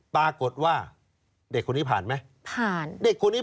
ปรากฏว่าเด็กคนนี้ผ่านไหม